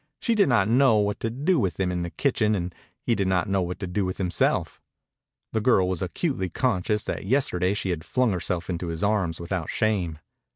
She did not know what to do with him in the kitchen and he did not know what to do with himself. The girl was acutely conscious that yesterday she had flung herself into his arms without shame.